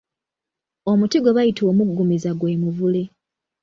Omuti gwe bayita omuggumiza gwe Muvule.